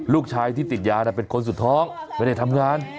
ลูกชายที่ติดยาเป็นคนสุดท้องไม่ได้ทำงาน